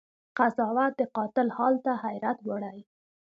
قضاوت د قاتل حال ته حيرت وړی